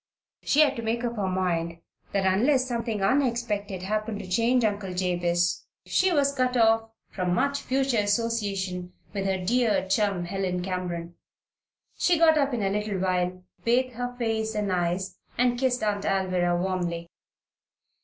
She had to make up her mind that, unless something unexpected happened to change Uncle Jabez, she was cut off from much future association with her dear chum, Helen Cameron. She got up in a little while, bathed her face and eyes, and kissed Aunt Alvirah warmly.